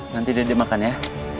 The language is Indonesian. nanti dede makan ya